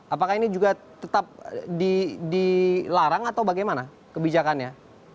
apakah ini juga tetap dilarang atau bagaimana kebijakannya